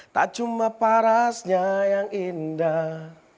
tak cuma parasnya yang indah